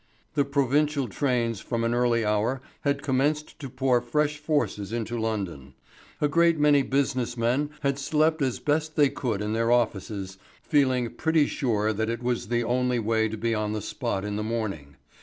The provincial trains from an early hour had commenced to pour fresh forces into London. A great many business men had slept as best they could in their offices, feeling pretty sure that it was the only way to be on the spot in the morning.